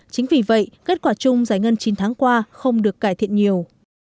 chính vì vậy kết quả chung giải ngân chín tháng qua không được cải thiện nhiều